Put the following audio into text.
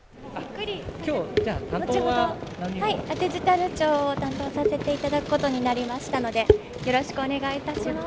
デジタル庁を担当させていただくことになりましたのでよろしくお願いします。